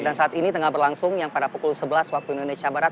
dan saat ini tengah berlangsung yang pada pukul sebelas waktu indonesia barat